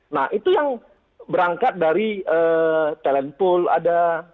nah itu yang berangkat dari talent pool ada